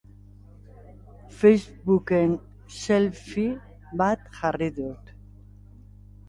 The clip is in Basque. Facebooken selfie bat jarri du.